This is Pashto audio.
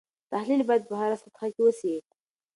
تحلیل باید په هره سطحه کې وسي.